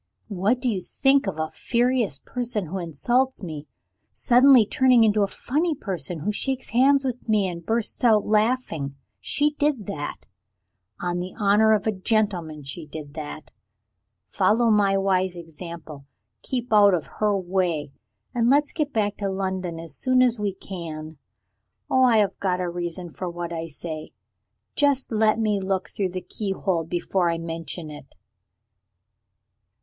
What do you think of a furious person who insults me, suddenly turning into a funny person who shakes hands with me and bursts out laughing? She did that. On the honor of a gentleman, she did that. Follow my wise example; keep out of her way and let's get back to London as soon as we can. Oh, I have got a reason for what I say. Just let me look through the keyhole before I mention it.